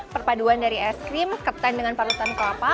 perpaduan dari es krim ketan dengan parutan kelapa